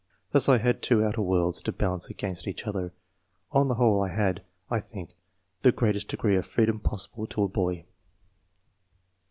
Thus I had two outer worlds to balance against each other. On the whole, I had, I think, the greatest degree of freedom possible to a boy."